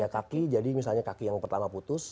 tiga kaki jadi misalnya kaki yang pertama putus